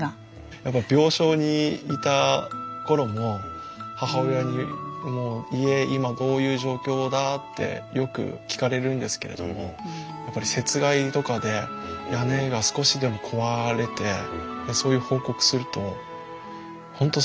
やっぱり病床にいた頃も母親にもう家今どういう状況だ？ってよく聞かれるんですけれどもやっぱり雪害とかで屋根が少しでも壊れてそういう報告すると本当その悲しそう。